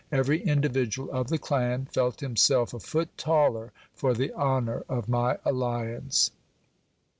Every individual of the clan felt himself a foot taller for the honour of my alliance.